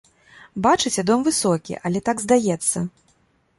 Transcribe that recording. Бачыце, дом высокі, але так здаецца.